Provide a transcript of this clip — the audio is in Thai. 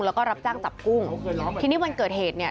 แล้วก็รับจ้างจับกุ้งทีนี้วันเกิดเหตุเนี่ย